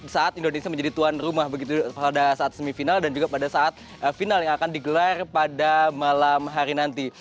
saat indonesia menjadi tuan rumah begitu pada saat semifinal dan juga pada saat final yang akan digelar pada malam hari nanti